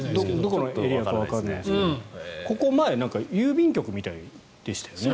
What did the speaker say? どこのエリアかわからないですがここ、前は郵便局みたいですよね。